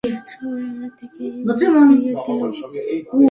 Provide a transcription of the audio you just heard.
সবাই আমার থেকে মুখ ফিরিয়ে নিল।